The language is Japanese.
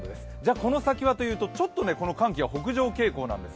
この先はというと、ちょっとこの寒気が北上傾向なんです。